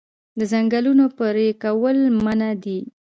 د ځنګلونو پرې کول منع دي.